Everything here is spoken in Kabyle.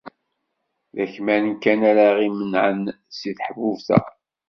D akman kan ara ɣ-imenεen si teḥbubt-a.